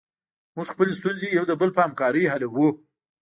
موږ خپلې ستونزې یو د بل په همکاري حلوو.